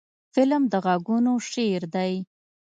فلم د غږونو شعر دی